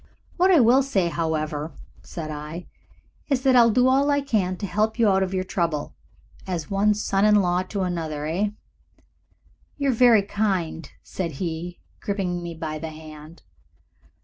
"What I will say, however," said I, "is that I'll do all I can to help you out of your trouble. As one son in law to another, eh?" "You are very kind," said he, gripping me by the hand.